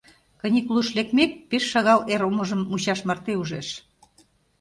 Каникулыш лекмек, пеш шагал эр омыжым мучаш марте ужеш.